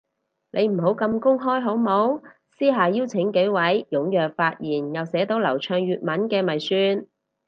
你唔好咁公開好冇，私下邀請幾位踴躍發言又寫到流暢粵文嘅咪算